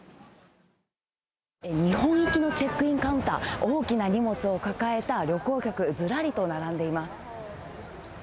日本行きのチェックインカウンター、大きな荷物を抱えた旅行客、ずらりと並んでいます。